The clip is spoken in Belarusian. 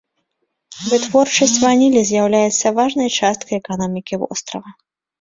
Вытворчасць ванілі з'яўляецца важнай часткай эканомікі вострава.